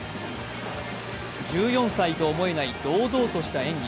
１４歳とは思えない堂々とした演技。